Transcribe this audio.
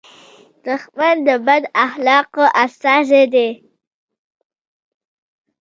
دښمن د بد اخلاقو استازی دی